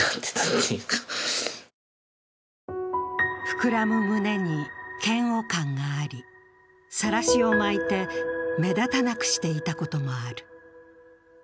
膨らむ胸に嫌悪感があり、さらしを巻いて目立たなくしていたこともある。